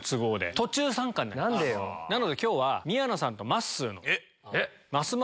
なので今日は宮野さんとまっすーの。